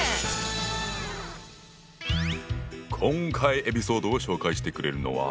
今回エピソードを紹介してくれるのは。